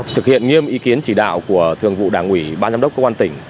thực hiện nghiêm ý kiến chỉ đạo của thường vụ đảng ủy ban giám đốc công an tỉnh